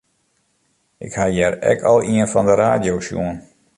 Ik ha hjir ek al ien fan de radio sjoen.